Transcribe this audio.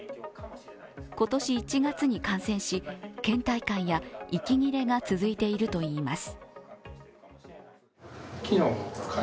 今年１月に感染し、けん怠感や息切れが続いているといいます。